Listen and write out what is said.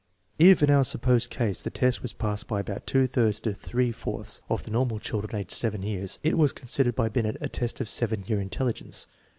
If, in our supposed case, the test was passed by about two thirds to three fourths of the normal children aged 7 years, it was considered by Binet a test of 7 year intelligence.